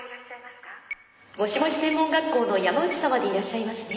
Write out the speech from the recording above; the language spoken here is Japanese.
もしもし専門学校の山内様でいらっしゃいますね。